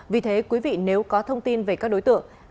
vì thế quý vị nếu có thông tin về các đối tượng